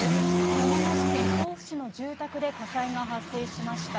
山梨県甲府市の住宅で火災が発生しました。